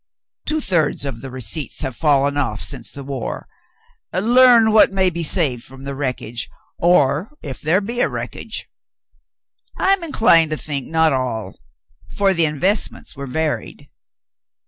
Two thirds of the receipts have fallen off since the war ; learn what may be saved from the wreckage, or if there be a wreckage. I'm inclined to think not all, for the investments were varied.